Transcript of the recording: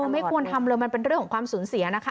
ไม่ควรทำเลยมันเป็นเรื่องของความสูญเสียนะคะ